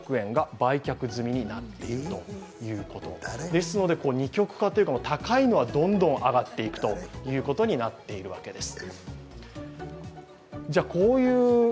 ですので、二極化というか高いのはどんどん上がっていくということになっているわけです。